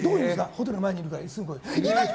ホテルの前にいるからすぐに来い。